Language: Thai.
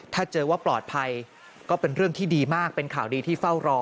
ถ้าเจอว่าปลอดภัยก็เป็นเรื่องที่ดีมากเป็นข่าวดีที่เฝ้ารอ